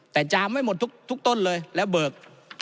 แต่จามไม่หมดทุกต้นเลยแล้วเบิก